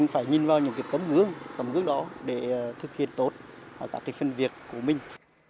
phải nhìn vào những tấm gước đó để thực hiện tốt các phân việc của mình